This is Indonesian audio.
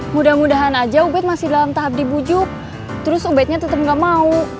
mudah mudahan aja ubet masih dalam tahap dibujuk terus ubetnya tetap gak mau